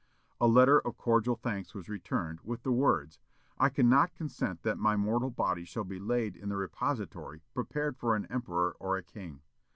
A letter of cordial thanks was returned, with the words, "I cannot consent that my mortal body shall be laid in a repository prepared for an emperor or a king.